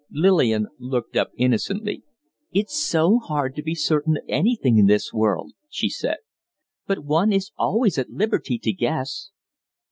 Lillian looked up innocently. "It's so hard to be certain of anything in this world," she said. "But one is always at liberty to guess."